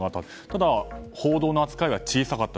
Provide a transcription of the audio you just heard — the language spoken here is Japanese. ただ、報道の扱いは小さかった。